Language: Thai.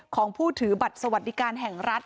ของผู้ถือบัตรสวัสดิการแห่งรัฐ